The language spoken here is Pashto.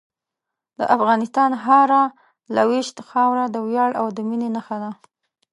د افغانستان هره لویشت خاوره د ویاړ او مینې نښه ده.